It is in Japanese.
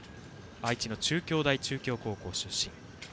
愛知の中京大中京高校出身。